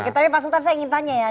oke tapi pak sultan saya ingin tanya ya